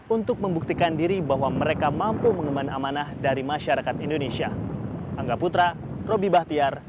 untuk membuktikan diri bahwa mereka mampu mengemban amanah dari masyarakat indonesia